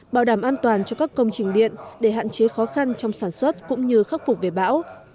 bảo đảm an toàn cho các công trình điện để hạn chế khó khăn trong sản xuất cũng như khắc phục về bão